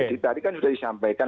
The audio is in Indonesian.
jadi tadi kan sudah disampaikan